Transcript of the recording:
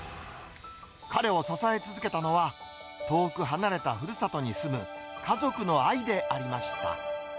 彼を支え続けたのは、遠く離れたふるさとに住む家族の愛でありました。